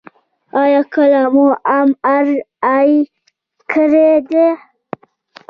ایا کله مو ام آر آی کړې ده؟